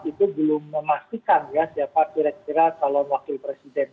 itu belum memastikan ya siapa kira kira calon wakil presiden